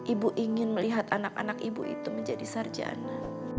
ibu ingin melihat anak anak ibu itu menjadi sarjana